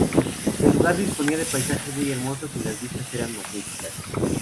El lugar disponía de paisajes muy hermosos y las vistas eran magníficas.